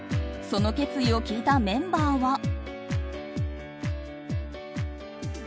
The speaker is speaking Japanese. その決意を聞いたメンバーは。